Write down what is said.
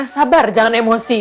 sabar jangan emosi